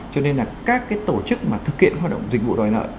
cho nên là các tổ chức mà thực hiện hoạt động dịch vụ đòi nợ